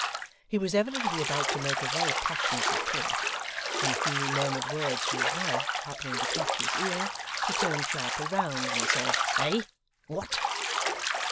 He was evidently about to make a very passionate retort, when a few murmured words from his wife happening to catch his ear, he turned sharply round, and said, 'Eh? What?